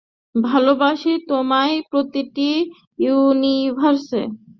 ভালোবাসি তোমায় প্রতিটি ইউনিভার্সে।